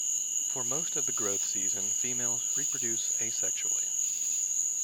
For most of the growth season, females reproduce asexually.